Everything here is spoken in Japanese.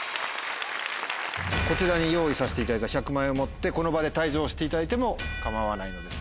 こちらに用意させていただいた１００万円を持ってこの場で退場していただいても構わないのですが。